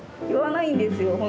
言わないんですよ